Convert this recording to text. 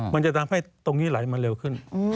มันจะทำให้ตรงนี้ไหลมาเร็วขึ้น